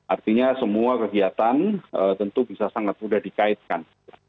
artinya semua kegiatan tentu bisa sangat mudah dikaitkan